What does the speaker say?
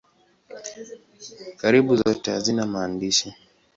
Karibu zote hazina maandishi.